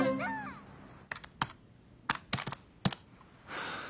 はあ。